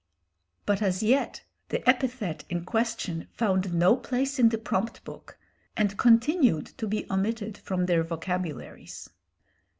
But as yet the epithet in question found no place in the prompt book, and continued to be omitted from their vocabularies.